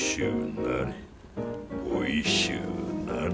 おいしゅうなれ。